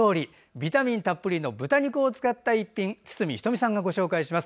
ビタミンたっぷりの豚肉を使った一品堤人美さんがご紹介します。